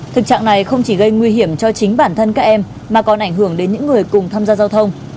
thực trạng này không chỉ gây nguy hiểm cho chính bản thân các em mà còn ảnh hưởng đến những người cùng tham gia giao thông